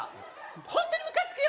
ホントにムカつくよ